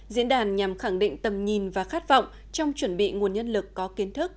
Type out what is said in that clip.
diễn đàn nhằm khẳng định tầm nhìn và khát vọng trong chuẩn bị nguồn nhân lực có kiến thức